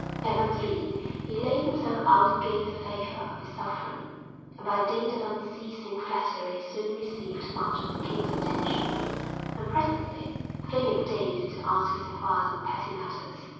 At Madrid he laid himself out to gain the favour of his sovereign, and by dint of unceasing flattery soon received much of the king's attention; and presently Philip deigned to ask his advice on petty matters.